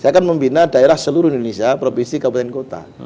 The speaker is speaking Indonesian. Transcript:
saya akan membina daerah seluruh indonesia provinsi kabupaten kota